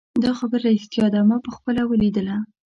دا خبره ریښتیا ده ما پخپله ولیدله